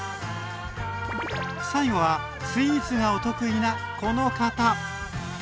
最後はスイーツがお得意なこの方！